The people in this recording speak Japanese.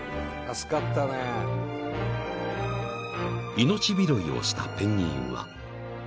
［命拾いをしたペンギンは］